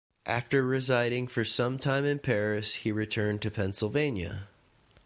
After residing for some time in Paris, he returned to Pennsylvania.